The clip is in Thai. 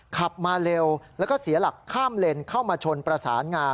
ขับมาเร็วแล้วก็เสียหลักข้ามเลนเข้ามาชนประสานงา